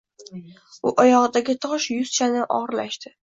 U oyog‘idagi tosh yuz chandon og‘irlashdi.